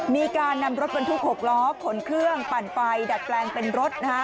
มีการนำรถบรรทุก๖ล้อขนเครื่องปั่นไฟดัดแปลงเป็นรถนะฮะ